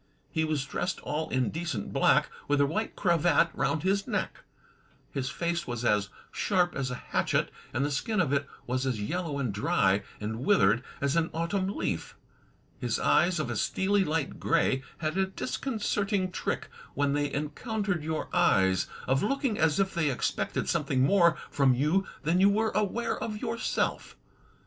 He was dressed all in decent black, with a white cravat roimd his neck. His face was as sharp as a hatchet, and the skin of it was as yel low and dry and withered as an autumn leaf. His eyes, of a steely light gray, had a disconcerting trick, when they encountered your eyes, of looking as if they expected something more from you than you were aware of yourself.